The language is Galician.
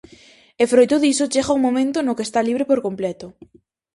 E froito diso chega un momento no que está libre por completo.